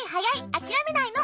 あきらめないの！